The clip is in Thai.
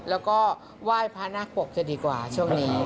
แล้วก็ไหว้พระนักปกจะดีกว่าช่วงนี้